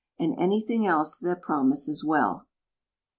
And anything else that promises well.